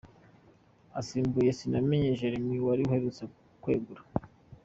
Asimbuye Sinamenye Jeremie wari uherutse kwegura.